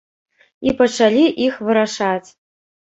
І пачалі іх вырашаць.